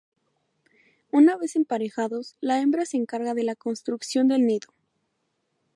Una vez emparejados, la hembra se encarga de la construcción del nido.